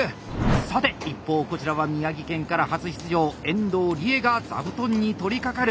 さて一方こちらは宮城県から初出場遠藤利恵がザブトンに取りかかる！